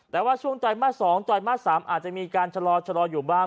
แต่ว่าช่วงไตรมาส๒ไตรมาส๓อาจจะมีการชะลออยู่บ้าง